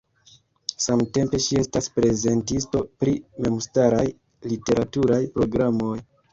Samtempe ŝi estas prezentisto pri memstaraj literaturaj programoj.